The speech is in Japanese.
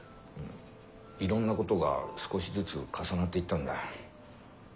いろんなことが少しずつ重なっていったんだ。